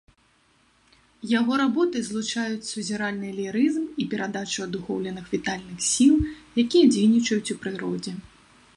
Яго работы злучаюць сузіральны лірызм і перадачу адухоўленых вітальных сіл, якія дзейнічаюць у прыродзе.